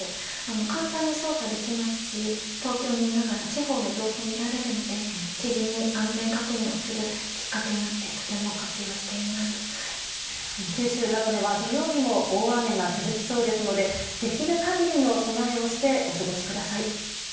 簡単に操作できますし東京にいながら地方の情報を見られるので知人に安全確認をするきっかけになって九州などでは土曜日も大雨が続きそうですのでできる限りの備えをしてお過ごしください。